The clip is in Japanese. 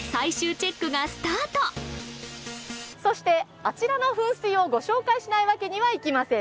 そしてあちらの噴水をご紹介しないわけにはいきません